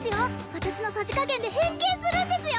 私のさじ加減で変形するんですよ